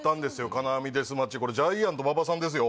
金網デスマッチこれジャイアント馬場さんですよ